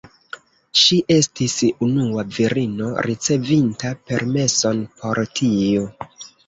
Ŝi estis unua virino ricevinta permeson por tio.